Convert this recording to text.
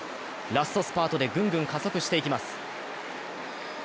ラストスパートでぐんぐん加速してきます。